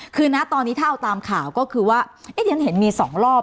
คือนะตอนนี้ถ้าเอาตามข่าวก็คือว่าที่ฉันเห็นมี๒รอบ